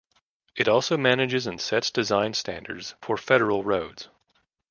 It also manages and sets design standards for federal roads.